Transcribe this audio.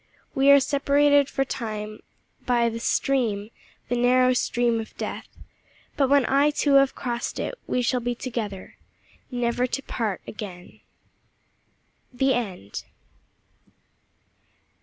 We are separated for time by 'the stream the narrow stream of death,' but when I, too, have crossed it, we shall be together, never to part again." THE END.